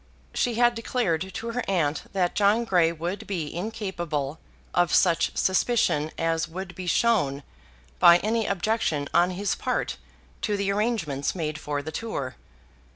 She had declared to her aunt that John Grey would be incapable of such suspicion as would be shown by any objection on his part to the arrangements made for the tour.